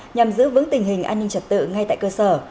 nhằm giữ vững tình hình an ninh trật tự ngay tại cơ sở